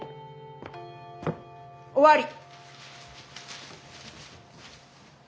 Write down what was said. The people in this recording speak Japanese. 終わり！